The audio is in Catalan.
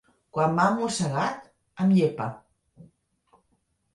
Quan m'ha mossegat, em llepa.